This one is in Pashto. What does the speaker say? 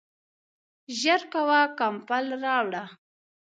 ژر کوه ، کمپل راوړه !